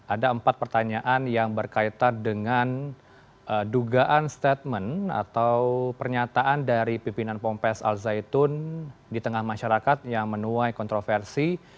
ada empat pertanyaan yang berkaitan dengan dugaan statement atau pernyataan dari pimpinan pompes al zaitun di tengah masyarakat yang menuai kontroversi